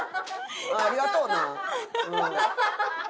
ありがとうなうん。